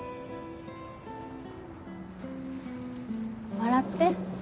笑って。